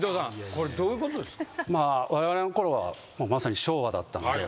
これどういうことですか？